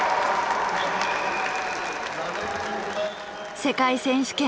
世界選手権制覇！